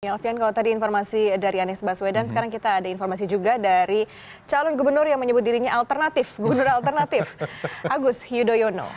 alfian kalau tadi informasi dari anies baswedan sekarang kita ada informasi juga dari calon gubernur yang menyebut dirinya alternatif gubernur alternatif agus yudhoyono